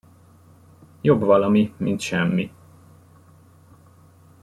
Jobb valami, mint semmi.